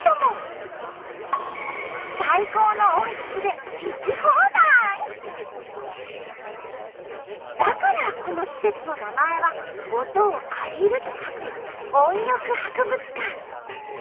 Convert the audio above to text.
最高の音質でだからこの施設の名前は「音を浴びる」と書く「音浴博物館」。